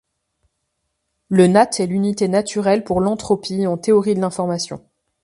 Le nat est l'unité naturelle pour l'entropie en théorie de l'information.